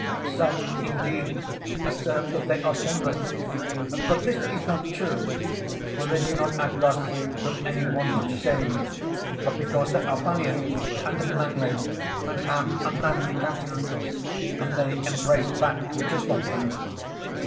Some indeed assert that they are shameless, but this is not true; for they do not act thus from any want of shame, but because they are valiant and manly, and have a manly countenance, and they embrace that which is like them.